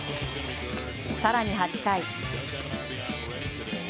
更に８回。